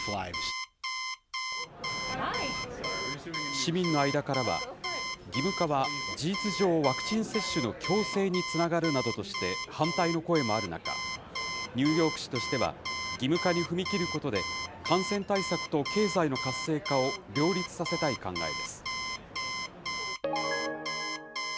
市民の間からは、義務化は、事実上、ワクチン接種の強制につながるなどとして、反対の声もある中、ニューヨーク市としては、義務化に踏み切ることで、感染対策と経済の活性化を両立させたい考えです。